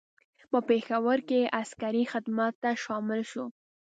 په پېښور کې عسکري خدمت ته شامل شو.